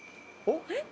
「おっ！」